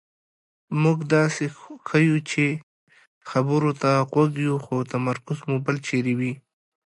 مونږ داسې ښیو چې خبرو ته غوږ یو خو تمرکز مو بل چېرې وي.